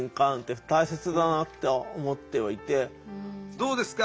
どうですか？